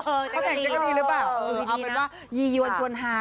เอาเป็นว่ายียวันชวนฮา